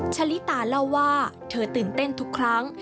ชะลิตาเล่าว่าเธอตื่นเต้นทุกครั้ง